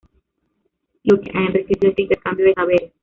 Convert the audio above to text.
lo que ha enriquecido este intercambio de saberes.